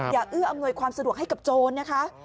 เอื้ออำนวยความสะดวกให้กับโจรนะคะ